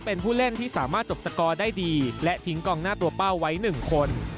เป็นผู้เล่นที่สามารถจบสกอร์ได้ดีและทิ้งกองหน้าตัวเป้าไว้๑คน